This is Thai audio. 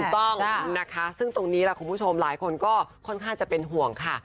ถูกต้องนะคะซึ่งตรงนี้ล่ะคุณผู้ชมหลายคนก็ค่อนข้างจะเป็นห่วงค่ะ